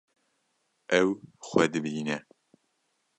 Ew xwe dibîne.